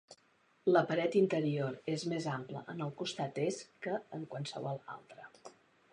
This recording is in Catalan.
La paret interior és més ampla en el costat est que en qualsevol altre.